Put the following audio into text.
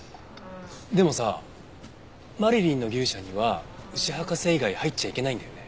でもさマリリンの牛舎には牛博士以外入っちゃいけないんだよね？